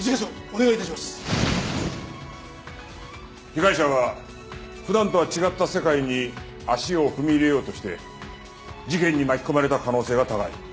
被害者は普段とは違った世界に足を踏み入れようとして事件に巻き込まれた可能性が高い。